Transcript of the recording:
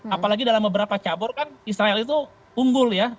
apalagi dalam beberapa cabur kan israel itu unggul ya